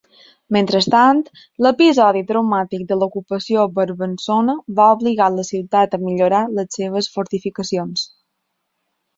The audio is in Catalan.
Mentrestant, l'episodi traumàtic de l'ocupació brabançona va obligar la ciutat a millorar les seves fortificacions.